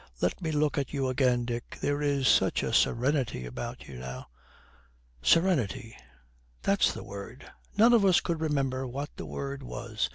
'Let me look at you again, Dick. There is such a serenity about you now.' 'Serenity, that's the word! None of us could remember what the word was.